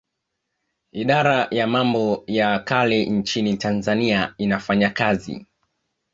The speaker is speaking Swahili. Idara ya mambo ya kale nchini Tanzania inafanya kazi